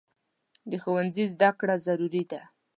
د ښوونځي زده کړه ضروري ده.